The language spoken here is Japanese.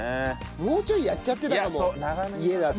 もうちょいやっちゃってたかも家だと。